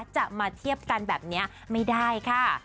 จะมาเทียบกันแบบนี้ไม่ได้ค่ะ